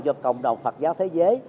do cộng đồng phật giáo thế giới